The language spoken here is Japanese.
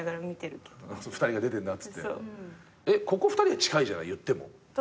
ここ２人は近いじゃないいっても。